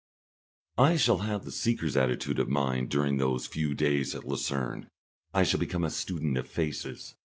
I shall have the seeker's attitude of mind during those few days at Lucerne. I shall become a student of faces.